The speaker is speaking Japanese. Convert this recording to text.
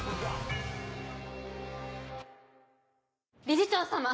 理事長様！